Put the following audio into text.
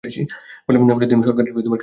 ফলে তিনি সরকারের কেন্দ্রবিন্দুতে পরিণত হন।